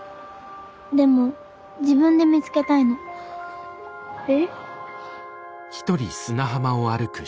でも自分で見つけたいの。え？